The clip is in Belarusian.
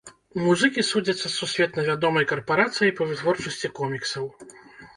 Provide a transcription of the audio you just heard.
Музыкі судзяцца з сусветна вядомай карпарацыяй па вытворчасці коміксаў.